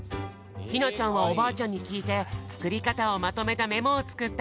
ひなちゃんはおばあちゃんにきいてつくりかたをまとめたメモをつくったよ。